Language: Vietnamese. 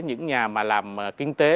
những nhà mà làm kinh tế